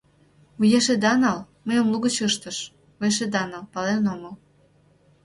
— Вуеш ида нал, — мыйым лугыч ыштыш, — вуеш ида нал, пален омыл.